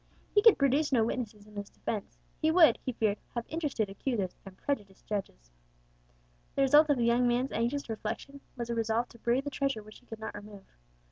He could produce no witnesses in his defence; he would, he feared, have interested accusers, and prejudiced judges. The result of the young man's anxious reflections was a resolve to bury the treasure which he could not remove.